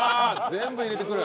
全部入れてくる。